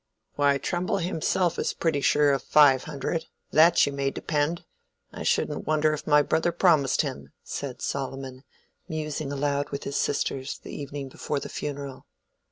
"Why, Trumbull himself is pretty sure of five hundred—that you may depend,—I shouldn't wonder if my brother promised him," said Solomon, musing aloud with his sisters, the evening before the funeral.